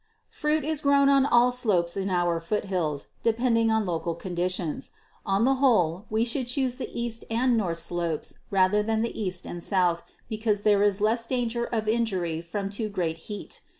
Fruit is grown on all slopes in our foothills, depending on local conditions. On the whole, we should choose the east and north slopes rather than the east and south, because there is less danger of injury from too great heat.